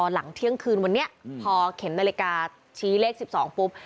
หลังเที่ยงคืนวันเนี้ยอืมพอเข็มนาฬิกาชี้เลขสิบสองปุ๊บ